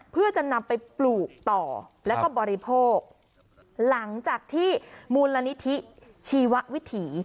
เพื่อจะนำไปปลูกต่อแล้วก็บริโภคหลังจากที่มูลนิธิชีววิถี